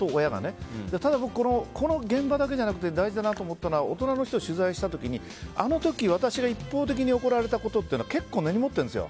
ただ、この現場だけじゃなくて大事だなと思ったのは大人の人を取材した時にあの時、私が一方的に怒られたことというのは結構根に持ってるんですよ。